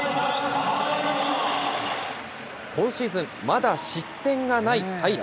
今シーズン、まだ失点がない平良。